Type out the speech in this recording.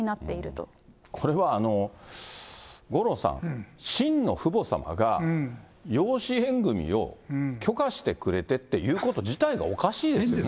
これは五郎さん、真の父母様が、養子縁組を許可してくれてっていうこと自体がおかしいですね。